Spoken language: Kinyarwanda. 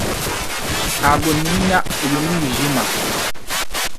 Ntabwo ntinya uyu mwijima